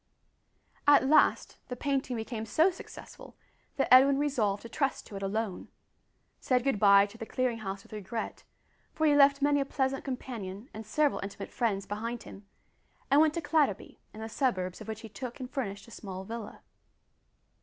At last the painting became so successful that Edwin resolved to trust to it alone said good bye to the Clearing House with regret for he left many a pleasant companion and several intimate friends behind him and went to Clatterby, in the suburbs of which he took and furnished a small villa.